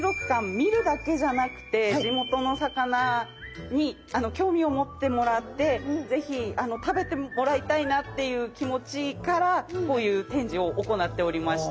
見るだけじゃなくて地元の魚に興味を持ってもらって是非食べてもらいたいなっていう気持ちからこういう展示を行っておりました。